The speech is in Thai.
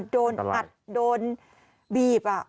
โดนอัดโดนบีบ